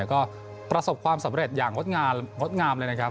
ก็ประสบความสำเร็จอย่างงดงามงดงามเลยนะครับ